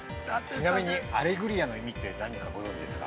◆ちなみにアレグリアの意味って何かご存じですか？